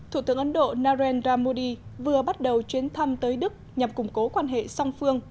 thủ tướng ấn độ narendra modi vừa bắt đầu chuyến thăm tới đức nhằm củng cố quan hệ song phương